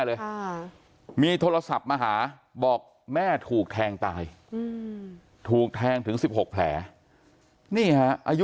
เลยค่ะมีโทรศัพท์มาหาบอกแม่ถูกแทงตายถูกแทงถึง๑๖แผลนี่ฮะอายุ